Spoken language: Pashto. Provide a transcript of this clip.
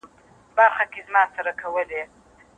ډیری خلک د ناروغۍ په مقابل کی معافیت حاصلوي.